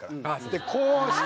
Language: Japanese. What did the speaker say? でこうして。